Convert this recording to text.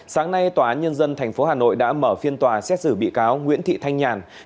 sáng nay tòa án nhân dân tp hà nội đã mở phiên tòa xét xử bị cáo nguyễn thị thanh nhàn